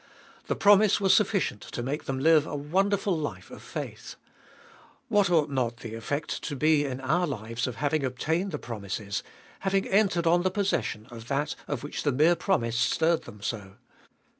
The promise was sufficient to make them live a wonderful life of faith. What ought not the effect to be in our lives of having obtained the promises, having entered on the possession of that of which the mere promise stirred them so